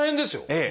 ええ。